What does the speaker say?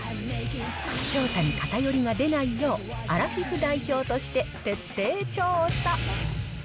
調査に偏りが出ないよう、アラフィフ代表として徹底調査。